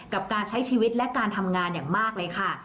กับการใช้ชีวิตและการทำงานอย่างมากเลยค่ะ